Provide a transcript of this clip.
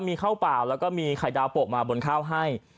มีข้าวเปล่าแล้วก็มีไข่ดาวโปะมาบนข้าวให้